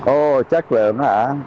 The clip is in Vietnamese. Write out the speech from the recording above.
ô chắc lượng hả